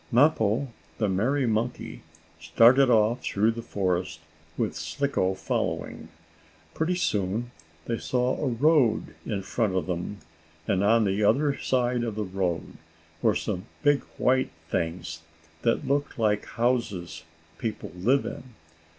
Mappo, the merry monkey, started off through the forest, with Slicko following. Pretty soon they saw a road in front of them. And, on the other side of the road, were some big white things, that looked like houses people live in.